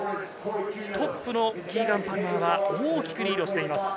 トップのキーガン・パルマーは大きくリードしています。